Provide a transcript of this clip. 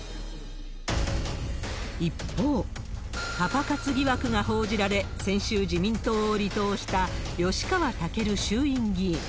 一方、パパ活疑惑が報じられ、先週、自民党を離党した吉川赳衆院議員。